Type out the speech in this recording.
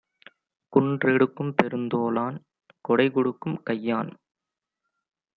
குன்றெடுக்கும் பெருந்தோளான் கொடைகொடுக்கும் கையான்!